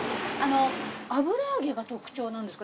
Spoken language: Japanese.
油揚げが特徴なんですか？